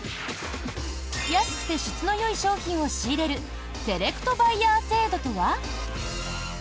安くて質のよい商品を仕入れるセレクトバイヤー制度とは？